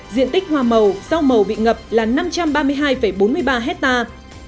diện tích hoa màu rau màu bị ngập là năm trăm ba mươi hai bốn mươi ba hectare